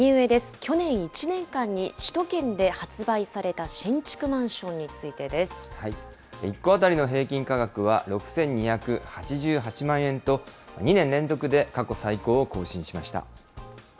去年１年間に首都圏で発売された１戸当たりの平均価格は６２８８万円と、２年連続で過去最高を更新しました。